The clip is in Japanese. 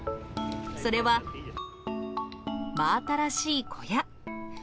それは、真新しい小屋。